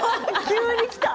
急にきた。